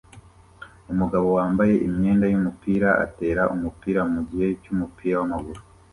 Umugabo wambaye imyenda yumupira atera umupira mugihe cyumupira wamaguru